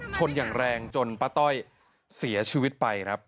ชนอย่างแรงจนป้าต้อยเสียชีวิตไปครับ